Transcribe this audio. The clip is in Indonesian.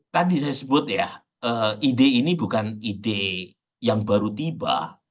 tadi saya sebut ya ide ini bukan ide yang baru tiba